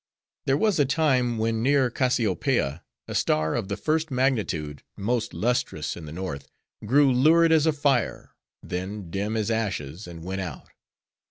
"'There was a time, when near Cassiopeia, a star of the first magnitude, most lustrous in the North, grew lurid as a fire, then dim as ashes, and went out.